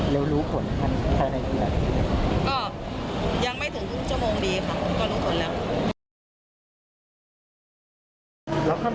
แต่ว่าไม่ค่อยมีเจ้าหน้าที่ที่จะคอยบอกเราว่าตรงไหน